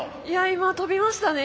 今跳びましたね